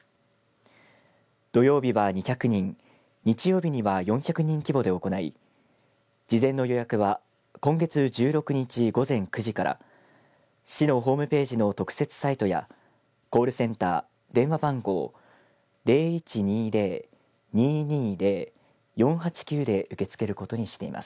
土曜日は２００人日曜日には４００人規模で行い事前の予約は今月１６日、午前９時から市のホームページの特設サイトやコールセンター、電話番号０１２０‐２２０‐４８９で受け付けることにしています。